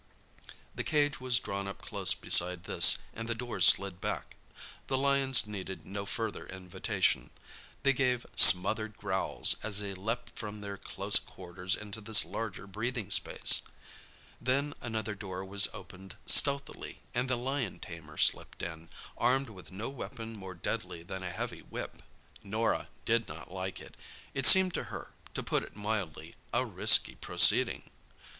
The cage was drawn up close beside this, and the doors slid back. The lions needed no further invitation. They gave smothered growls as they leaped from their close quarters into this larger breathing space. Then another door was opened stealthily, and the lion tamer slipped in, armed with no weapon more deadly than a heavy whip. Norah did not like it. It seemed to her, to put it mildly, a risky proceeding.